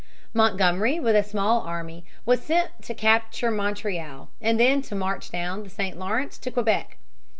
Montgomery, with a small army, was sent to capture Montreal and then to march down the St. Lawrence to Quebec.